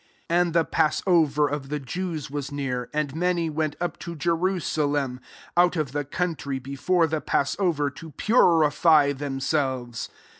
55 And the passover of the Jews was near ; and many went up to Jerusalem, out of the country, before the passover, to purify themselves.